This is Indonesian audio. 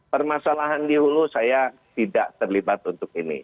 permasalahan di hulu saya tidak terlibat untuk ini